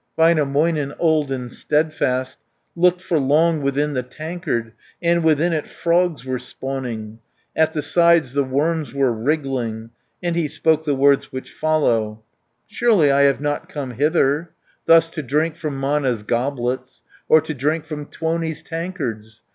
Väinämöinen, old and steadfast, Looked for long within the tankard, And within it frogs were spawning, At the sides the worms were wriggling, And he spoke the words which follow: "Surely I have not come hither, Thus to drink from Mana's goblets, Or to drink from Tuoni's tankards.